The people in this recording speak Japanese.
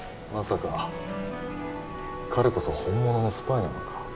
まさか彼こそ本物のスパイなのか？